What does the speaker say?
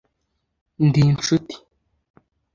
Ndi inshuti